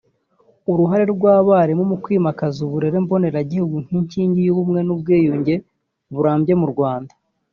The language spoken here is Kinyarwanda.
uruhare rw’abarimu mu kwimakaza uburere mboneragihugu nk’inkingi y’ubumwe n’ubwiyunge burambye mu Rwanda